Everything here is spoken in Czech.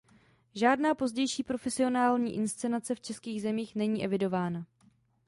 Žádná pozdější profesionální inscenace v českých zemích není evidována.